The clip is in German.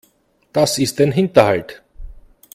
Das ist ein Hinterhalt.